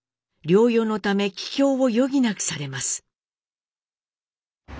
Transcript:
療養のため帰郷を余儀なくされます。